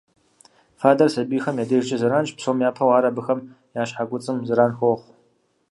Фадэр сабийхэм я дежкӀэ зэранщ, псом япэу ар абыхэм я щхьэ куцӀым зэран хуохъу.